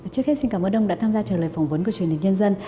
trước hết xin cảm ơn ông đã tham gia trở lại phỏng vấn của truyền hình nhân dân